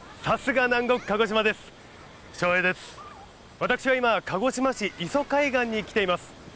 私は今鹿児島市磯海岸に来ています。